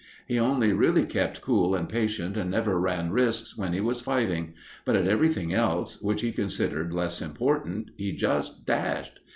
He only really kept cool and patient and never ran risks when he was fighting; but at everything else, which he considered less important, he just dashed.